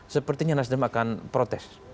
sepertinya nasdem akan protes